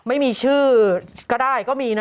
ไม่มีชื่อก็ได้ก็มีนะ